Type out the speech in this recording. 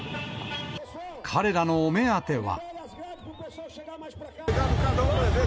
彼らのお目当ては。